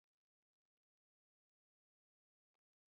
袋萼黄耆为豆科黄芪属的植物。